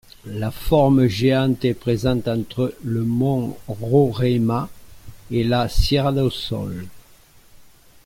La forme géante est présente entre le mont Roraima et la Sierra do sol.